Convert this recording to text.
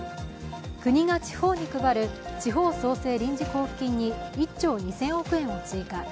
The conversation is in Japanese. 国が地方に配る地方創生臨時交付金に１兆２０００億円を追加。